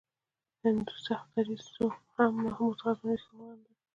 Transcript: هندو سخت دریځو هم محمود غزنوي ښه وغنده.